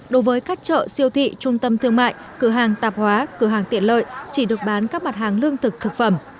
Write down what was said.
đối với các chợ siêu thị trung tâm thương mại cửa hàng tạp hóa cửa hàng tiện lợi chỉ được bán các mặt hàng lương thực thực phẩm